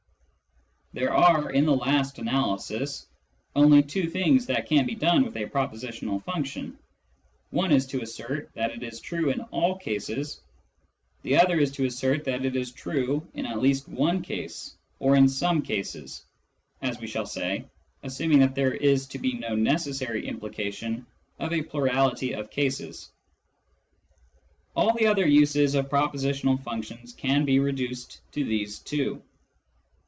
There are, in the last analysis, only two things that can be done with a propositional function : one is to assert that it is true in all cases, the other to assert that it is true in at least one case, or in some cases (as we shall say, assuming that there is to be no necessary implication of a plurality of cases). All the other uses of propositional functions can be reduced to these two.